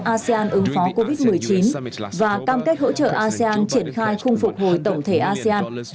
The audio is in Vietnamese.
asean ứng phó covid một mươi chín và cam kết hỗ trợ asean triển khai khung phục hồi tổng thể asean